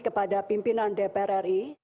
kepada pimpinan dpr ri